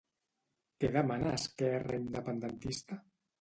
Què demana Esquerra Independentista?